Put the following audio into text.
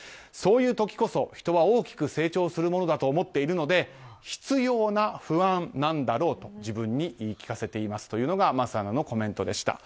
そういう時こそ人は大きく成長するものだと思っているので必要な不安なんだろうと自分に言い聞かせていますというのが桝アナのコメントです。